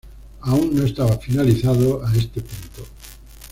Aún no estaba finalizado a este punto.